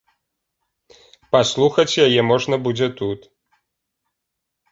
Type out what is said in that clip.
Паслухаць яе можна будзе тут.